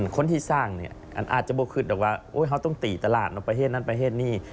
คนที่สร้างอาจจะบอกคือว่าเค้าต้องตีตลาดประเทศนั้นประเทศนี้